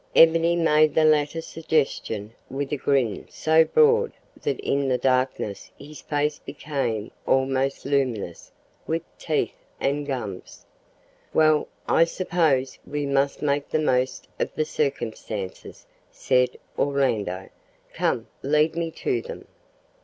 Ebony made the latter suggestion with a grin so broad that in the darkness his face became almost luminous with teeth and gums. "Well, I suppose we must make the most of the circumstances," said Orlando. "Come, lead me to them."